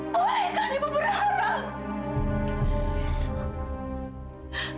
bolehkan ibu berharap